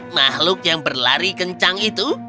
makhluk yang berlari kencang itu